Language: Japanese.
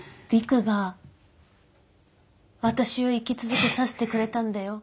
璃久が私を生き続けさせてくれたんだよ。